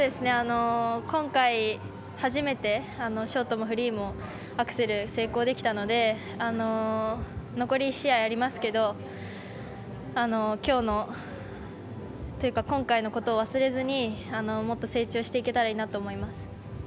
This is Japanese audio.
今回、初めてショートもフリーもアクセル成功できたので残り１試合ありますけど今日のというか今回のことを忘れずにもっと成長していけたらいいなと思います。